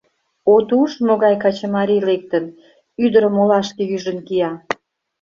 От уж, могай качымарий лектын, ӱдырым олашке ӱжын кия.